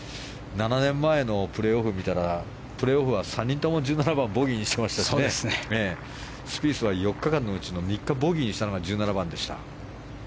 ７年前のプレーオフを見たらプレーオフは３人とも１７番はボギーにしてましたしスピースは４日間のうち３日ボギーにしたのが１７番。